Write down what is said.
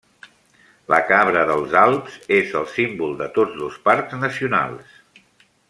La cabra dels Alps és el símbol de tots dos parcs nacionals.